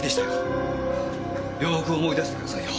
よーく思い出してくださいよ。